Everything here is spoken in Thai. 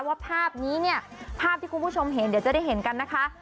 ว่าภาพนี้เนี่ยภาพที่คุณผู้ชมเห็นเดี๋ยวจะได้เห็นกันนะคะ